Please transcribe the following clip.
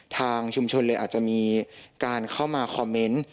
ทางชุมชนเลยอาจจะมีการเข้ามาคอมเมนต์